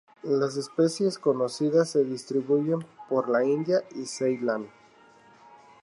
Las especies conocidas se distribuyen por la India y Ceilán.